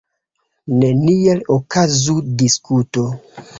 Neniel okazu diskuto.